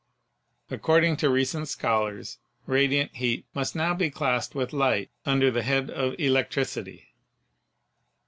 According to re~ cent scholars, radiant heat must now be classed with light under the head of electricity.